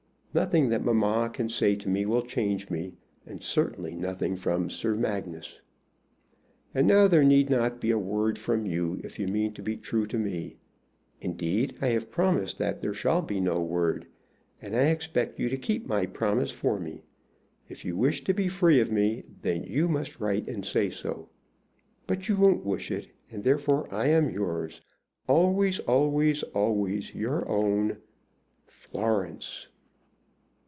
Nothing that mamma can say to me will change me, and certainly nothing from Sir Magnus. "And now there need not be a word from you, if you mean to be true to me. Indeed, I have promised that there shall be no word, and I expect you to keep my promise for me. If you wish to be free of me, then you must write and say so. "But you won't wish it, and therefore I am yours, always, always, always your own "FLORENCE."